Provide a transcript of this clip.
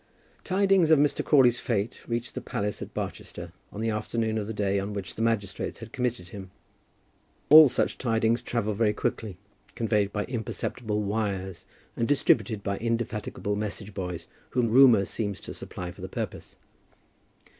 Tidings of Mr. Crawley's fate reached the palace at Barchester on the afternoon of the day on which the magistrates had committed him. All such tidings travel very quickly, conveyed by imperceptible wires, and distributed by indefatigable message boys whom Rumour seems to supply for the purpose.